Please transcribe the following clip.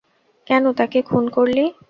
কেন তাকে খুন করলি?